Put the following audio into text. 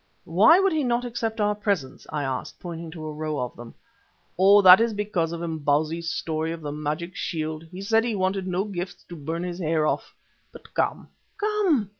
"Why would he not accept our presents?" I asked, pointing to the row of them. "Oh! that is because of Imbozwi's story of the magic shield. He said he wanted no gifts to burn his hair off. But, come, come.